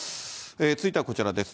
続いてはこちらです。